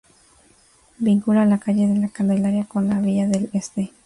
Vincula la calle de La Candelaria con la vía del Este.